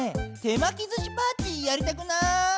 手まきずしパーティーやりたくない？